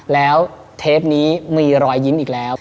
แล้วเทปนี้มีรอยยิ้มอีกแล้ว